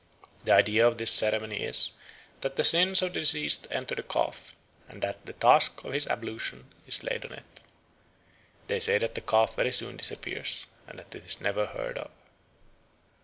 The idea of this ceremony is, that the sins of the deceased enter the calf, or that the task of his absolution is laid on it. They say that the calf very soon disappears, and that it is never heard of."